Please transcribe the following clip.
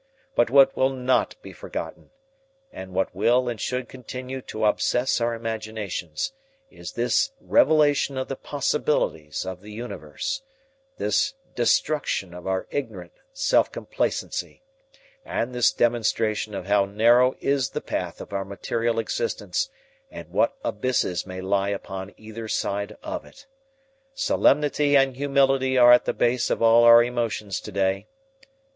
But what will not be forgotten, and what will and should continue to obsess our imaginations, is this revelation of the possibilities of the universe, this destruction of our ignorant self complacency, and this demonstration of how narrow is the path of our material existence and what abysses may lie upon either side of it. Solemnity and humility are at the base of all our emotions to day.